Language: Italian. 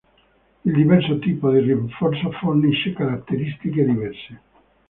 Il diverso tipo di rinforzo fornisce caratteristiche diverse.